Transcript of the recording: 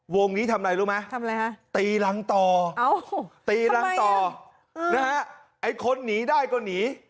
วงนี้ทำอะไรรู้ไหมฮะตีรังต่อตีรังต่อนะฮะไอ้คนหนีได้ก็หนี